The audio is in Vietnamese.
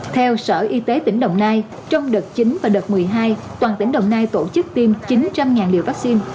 theo sở y tế tỉnh đồng nai trong đợt chín và đợt một mươi hai toàn tỉnh đồng nai tổ chức tiêm chín trăm linh liều vaccine